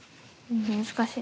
難しい。